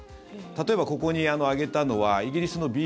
例えばここに挙げたのはイギリスのＢＢＣ。